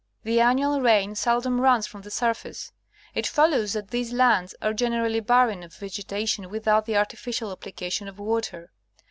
The annual rain seldom runs from the surface. It follows that these lands ai e generally barren of vegetation without the artificial applica tion of water.